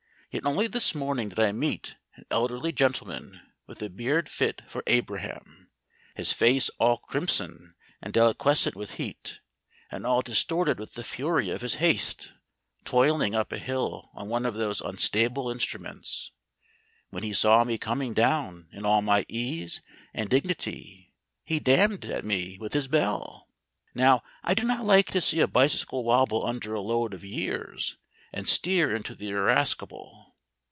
Yet only this morning did I meet an elderly gentleman with a beard fit for Abraham, his face all crimson and deliquescent with heat, and all distorted with the fury of his haste, toiling up a hill on one of these unstable instruments. When he saw me coming down in all my ease and dignity he damned at me with his bell. Now, I do not like to see a bicycle wobble under a load of years, and steer into the irascible.